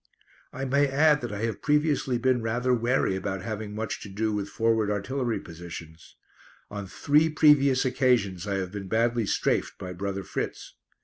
I may add that I have previously been rather wary about having much to do with forward artillery positions. On three previous occasions I have been badly "strafed" by brother Fritz.